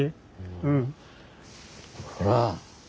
うん。ほら！